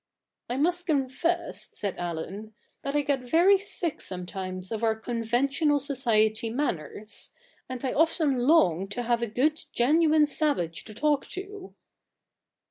' I must confess,' said Allen, ' that I get very sick sometimes of our conventional society manners : and I often long to have a good genuine savage to talk to.'